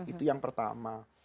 itu yang pertama